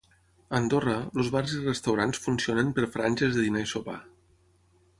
A Andorra, els bars i restaurants funcionen per franges de dinar i sopar.